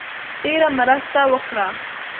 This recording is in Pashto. ډېره مرسته وکړه.